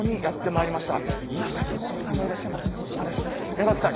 稲垣さん